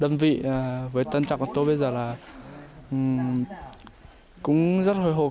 đơn vị với tân trạng của tôi bây giờ là cũng rất hồi hộp